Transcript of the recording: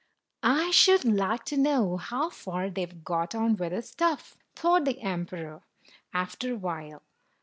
" I should like to know how far they have got on with the stuff," thought the emperor, after a while.